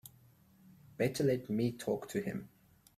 Better let me talk to him.